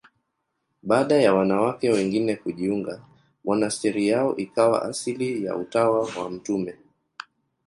Baada ya wanawake wengine kujiunga, monasteri yao ikawa asili ya Utawa wa Mt.